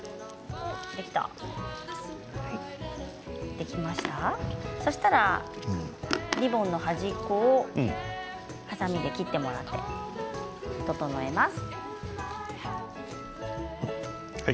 できましたらリボンの端っこをはさみで切ってもらって整えます。